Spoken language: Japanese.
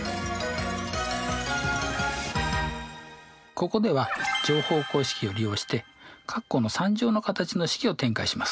ここでは乗法公式を利用して括弧の３乗の形の式を展開します。